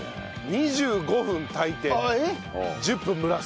２５分炊いて１０分蒸らす。